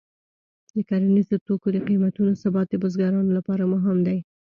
د کرنیزو توکو د قیمتونو ثبات د بزګرانو لپاره مهم دی.